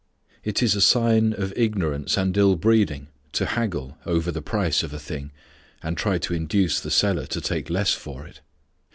It is a sign of ignorance and ill breeding to haggle over the price of a thing and try to induce the seller to take less for it.